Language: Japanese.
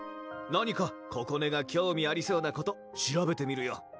何かここねが興味ありそうなこと調べてみるよ